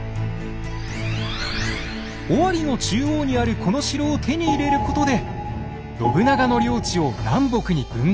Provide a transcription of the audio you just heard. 尾張の中央にあるこの城を手に入れることで信長の領地を南北に分断。